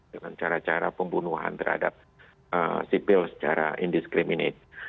dengan cara cara pembunuhan terhadap sipil secara indiskriminate